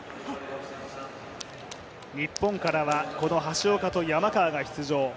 日本からはこの橋岡と山川が出場。